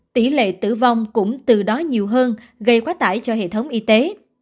tỷ lệ tử vong cũng từ đó nhiều hơn gây quá tải cho hệ thống y tế